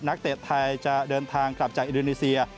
เตะไทยจะเดินทางกลับจากอินโดนีเซีย